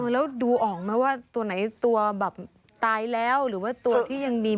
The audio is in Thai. แล้วดูออกไหมว่าตัวไหนตัวแบบตายแล้วหรือว่าตัวที่ยังดี